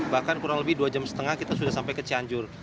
bahkan kurang lebih dua jam setengah kita sudah sampai ke cianjur